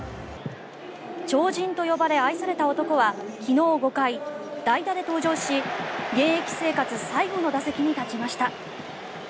超人と呼ばれ、愛された男は昨日、５回、代打で登場し現役生活最後の打席に立ちました。